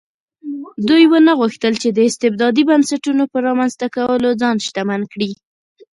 دوی ونه غوښتل چې د استبدادي بنسټونو په رامنځته کولو ځان شتمن کړي.